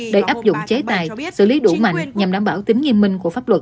để áp dụng chế tài xử lý đủ mạnh nhằm đảm bảo tính nghiêm minh của pháp luật